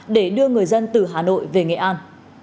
để đưa người dân từ hà nội về nghệ an